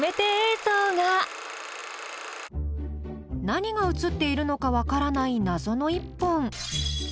何が写っているのか分からない謎の一本。